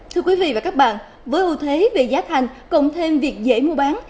thưa quý vị và các bạn với ưu thế về giá thành cộng thêm việc dễ mua bán